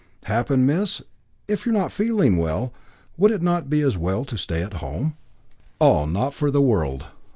"Happen, miss! If you are not feeling well, would it not be as well to stay at home?" "Oh, not for the world!